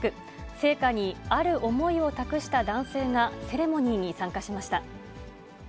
聖火にある思いを託した男性がセレモニーに参加しました。